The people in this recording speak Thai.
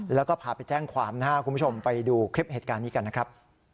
แล้วก็รายหน้าแจ้งแขวนขวาคุณผู้ชมไปดูคลิปเหตุการณ์นี้กันนะครับ